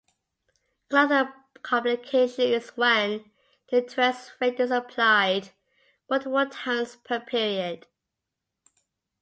Another complication is when the interest rate is applied multiple times per period.